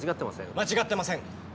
間違ってません！